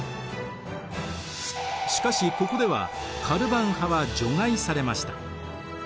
しかしここではカルヴァン派は除外されました。